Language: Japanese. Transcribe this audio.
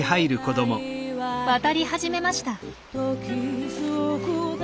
渡り始めました。